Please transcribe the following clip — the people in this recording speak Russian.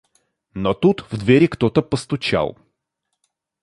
Но тут в двери кто-то постучал.